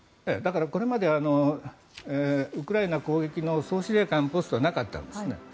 これまではウクライナ攻撃の総司令官ポストはなかったんですね。